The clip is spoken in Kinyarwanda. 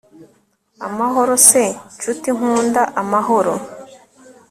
amahoro se ncuti nkunda, amahoro